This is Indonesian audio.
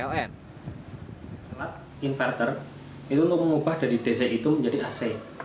alat inverter itu untuk mengubah dari desa itu menjadi ac